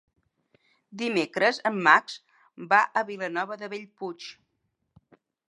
Dimecres en Max va a Vilanova de Bellpuig.